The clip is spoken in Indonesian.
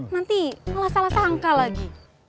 nanti malah salah sangka lagi